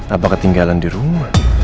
apa ketinggalan di rumah